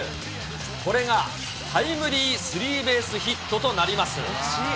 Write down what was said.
これがタイムリースリーベースヒットとなります。